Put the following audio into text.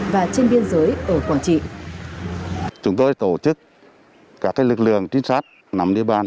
và trên biên giới ở quảng trị